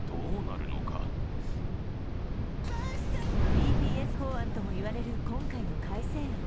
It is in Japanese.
ＢＴＳ法案とも言われる今回の改正案。